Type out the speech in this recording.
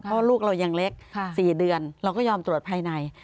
เพราะลูกเรายังเล็ก๔เดือนเราก็ยอมตรวจภายใน